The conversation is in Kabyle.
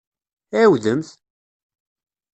Ɛiwdemt!